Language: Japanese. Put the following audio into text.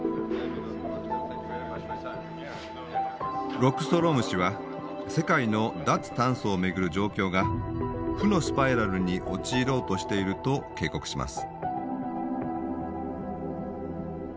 ロックストローム氏は世界の脱炭素を巡る状況が負のスパイラルに陥ろうとしていると警告します。